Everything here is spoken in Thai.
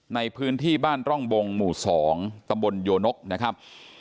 ในพื้นที่บ้านร่องบงหมู่๒ตำบลโยนกนะครับ